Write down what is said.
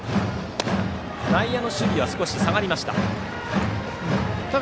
内野の守備は少し下がりました。